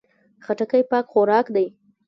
خټکی پاک خوراک دی.